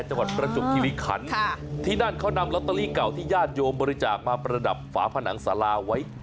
ประจบคิริขันที่นั่นเขานำลอตเตอรี่เก่าที่ญาติโยมบริจาคมาประดับฝาผนังสาราไว้